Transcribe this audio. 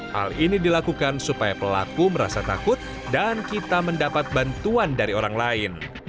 hal ini dilakukan supaya pelaku merasa takut dan kita mendapat bantuan dari orang lain